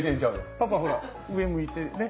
パパほら上向いてねっ？